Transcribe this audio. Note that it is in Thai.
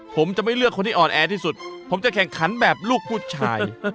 ผมจะไม่เลือกคนที่อ่อนแอที่สุดผมจะแข่งขันแบบลูกผู้ชาย